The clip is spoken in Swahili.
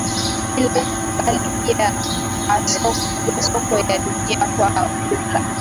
bali pia masoko ya dunia kwa ujumla